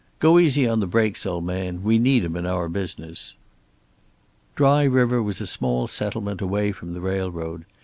Go easy on the brakes, old man. We need 'em in our business." Dry River was a small settlement away from the railroad.